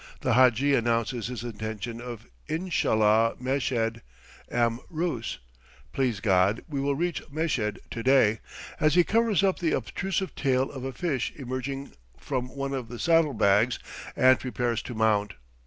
The hadji announces his intention of "Inshallah Meshed, am roos" (please God, we will reach Meshed to day) as he covers up the obtrusive tail of a fish emerging from one of the saddle bags and prepares to mount.